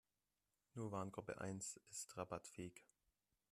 Nur Warengruppe eins ist rabattfähig.